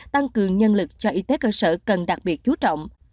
tăng cường nhân lực cho y tế cơ sở cần đặc biệt chú trọng